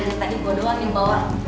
dari tadi gue doang yang bawa